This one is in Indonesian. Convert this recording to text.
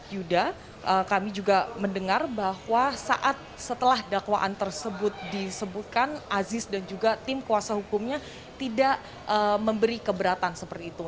yuda kami juga mendengar bahwa saat setelah dakwaan tersebut disebutkan aziz dan juga tim kuasa hukumnya tidak memberi keberatan seperti itu